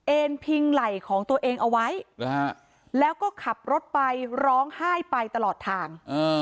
พิงไหล่ของตัวเองเอาไว้แล้วก็ขับรถไปร้องไห้ไปตลอดทาง